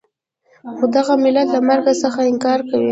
خو دغه ملت له مرګ څخه انکار کوي.